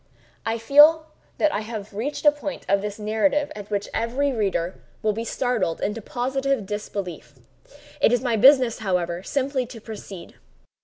I now feel that I have reached a point of this narrative at which every reader will be startled into positive disbelief. It is my business, however, simply to proceed.